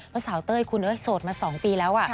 เพราะสาวเต้ยคุณโสดมา๒ปีแล้ว